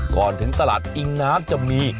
ก่อนถึงตลาดอิงน้ำจะมี